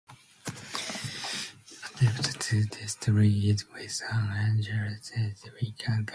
An attempt to destroy it with an aerial strike was cancelled.